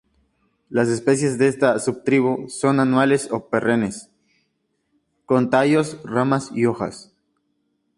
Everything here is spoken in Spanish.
Las especies de esta subtribu son anuales o perennes, con tallos, ramas y hojas.